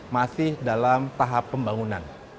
masih dalam tahap pembangunan